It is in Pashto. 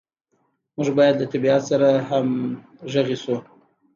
موږ باید له طبیعت سره همغږي شو.